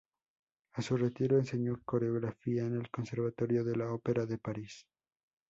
A su retiro enseñó coreografía en el Conservatorio de la Ópera de París.